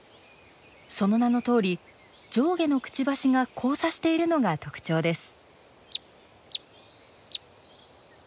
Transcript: その名のとおり上下のくちばしが交差しているのが特徴です。